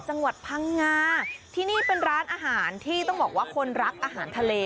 จังหวัดพังงาที่นี่เป็นร้านอาหารที่ต้องบอกว่าคนรักอาหารทะเล